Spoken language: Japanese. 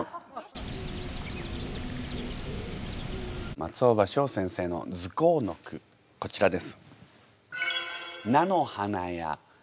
松尾葉翔先生の「ズコー」の句こちらです。